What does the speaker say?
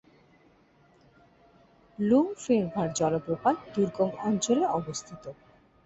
লুং ফের ভা জলপ্রপাত দুর্গম অঞ্চলে অবস্থিত।